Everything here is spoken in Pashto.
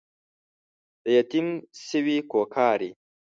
د يتيم سوې کوکارې